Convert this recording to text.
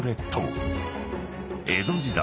［江戸時代